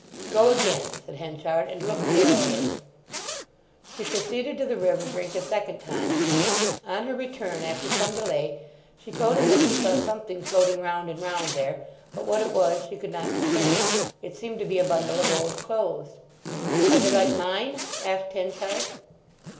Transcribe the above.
"Go again," said Henchard, "and look narrowly." She proceeded to the river brink a second time. On her return, after some delay, she told him that she saw something floating round and round there; but what it was she could not discern. It seemed to be a bundle of old clothes. "Are they like mine?" asked Henchard.